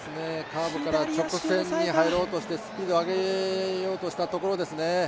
カーブから直線に入ろうとして、スピードを上げようとしたところですね。